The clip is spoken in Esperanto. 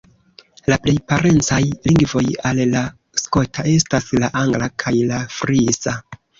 La plej parencaj lingvoj al la skota estas la angla kaj la frisa.